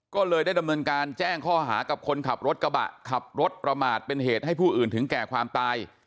ก็เลยได้ดำเนินการแจ้งข้อหากับคนขับรถกระบะขับรถประมาทเป็นเหตุให้ผู้อื่นถึงแก่ความตาย